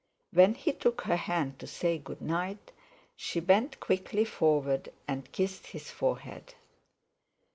When he took her hand to say good night, she bent quickly forward and kissed his forehead.